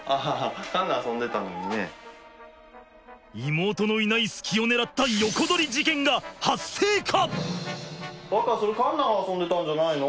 妹のいない隙を狙った横取り事件が発生か！？